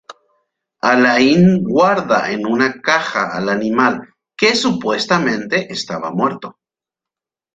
Alain guarda en una caja al animal, que supuestamente estaba muerto.